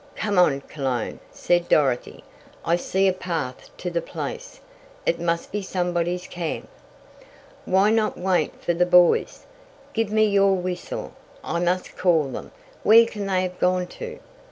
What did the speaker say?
"Come on, Cologne," said Dorothy. "I see a path to the place. It must be somebody's camp." "Why not wait for the boys? Give me your whistle. I must call them. Where can they have gone to?"